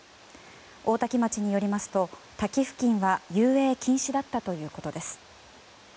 大多喜町によりますと、滝付近は遊泳禁止だったということです。